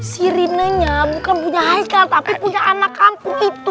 sirinanya bukan punya hai tapi punya anak kampung itu